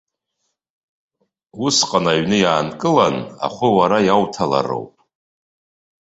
Усҟан аҩны иаанкылан, ахәы уара иауҭалароуп.